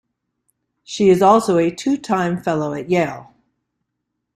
She is also a two-time Fellow at Yale.